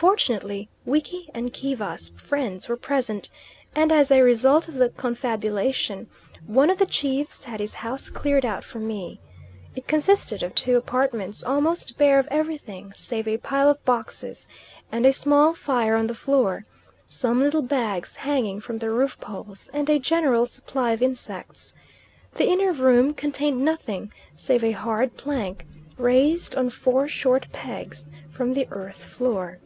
Fortunately Wiki and Kiva's friends were present, and as a result of the confabulation, one of the chiefs had his house cleared out for me. It consisted of two apartments almost bare of everything save a pile of boxes, and a small fire on the floor, some little bags hanging from the roof poles, and a general supply of insects. The inner room contained nothing save a hard plank, raised on four short pegs from the earth floor.